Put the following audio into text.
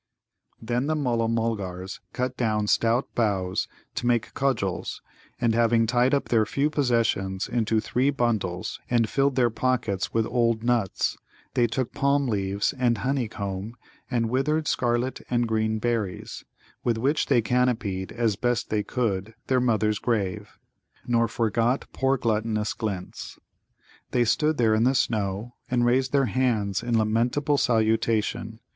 Then the Mulla mulgars cut down stout boughs to make cudgels, and, having tied up their few possessions into three bundles and filled their pockets with old nuts, they took palm leaves and honey comb and withered scarlet and green berries, with which they canopied as best they could their mother's grave, nor forgot poor gluttonous Glint's. They stood there in the snow, and raised their hands in lamentable salutation.